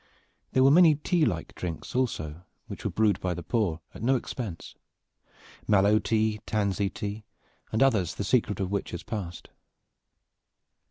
There were many tea like drinks also, which were brewed by the poor at no expense: mallow tea, tansy tea, and others the secret of which has passed.